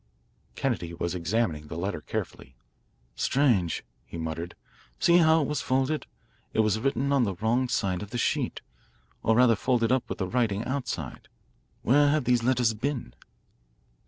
Kennedy was examining the letter carefully. "Strange," he muttered. "See how it was folded. It was written on the wrong side of the sheet, or rather folded up with the writing outside. Where have these letters been?"